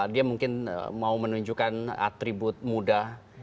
dia mungkin mau menunjukkan atribut muda